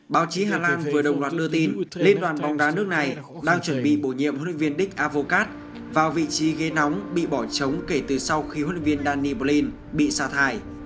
báo chí hà lan vừa đồng loạt đưa tin liên đoàn bóng đá nước này đang chuẩn bị bổ nhiệm huấn luyện viên di avos vào vị trí ghế nóng bị bỏ trống kể từ sau khi huấn luyện viên dani blin bị xa thải